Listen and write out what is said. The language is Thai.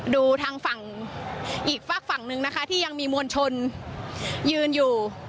ดูทางฝั่งอีกฝากฝั่งนึงนะคะที่ยังมีมวลชนยืนอยู่